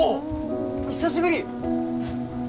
久しぶり！